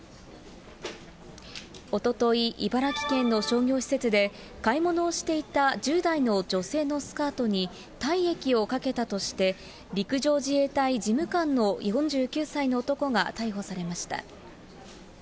おととい、茨城県の商業施設で、買い物をしていた１０代の女性のスカートに、体液をかけたとして、陸上自衛隊事務官の４９歳の男が逮捕されました。